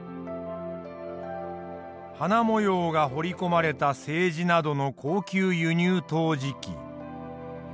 花模様が彫り込まれた青磁などの高級輸入陶磁器。